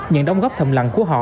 những đồng góp thầm lặng của họ